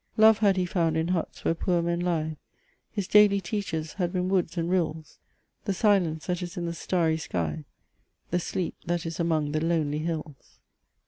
Love had he found in huts where poor men lie; His daily teachers had been woods and rills, The silence that is in the starry sky, The sleep that is among the lonely hills."